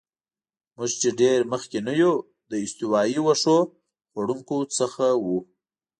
موږ چې ډېر مخکې نه یو، له استوایي وښو خوړونکو څخه وو.